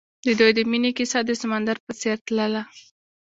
د دوی د مینې کیسه د سمندر په څېر تلله.